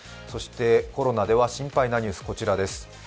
そしてコロナでは心配なニュース、こちらです。